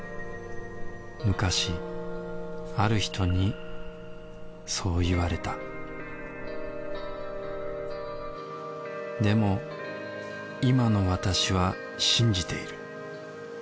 昔ある人にそう言われたでも今の私は信じている。